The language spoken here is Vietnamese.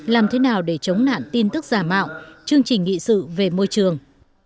làm thế nào để chống nạn tin tức giả mạo chương trình nghị sự về môi trường